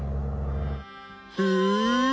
へえ。